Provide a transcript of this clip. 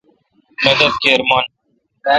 مدد کیر من۔